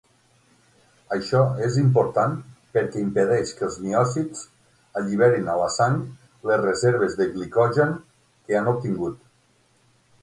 Això és important perquè impedeix que els miòcits alliberin a la sang les reserves de glicogen que han obtingut.